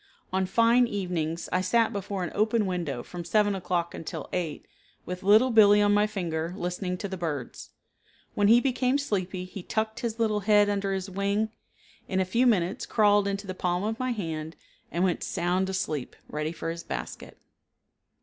On fine evenings I sat before an open window from 7 o'clock until 8 with Little Billee on my finger listening to the birds. When he became sleepy he tucked his little head under his wing, in a few minutes crawled into the palm of my hand and went sound asleep, ready for his basket.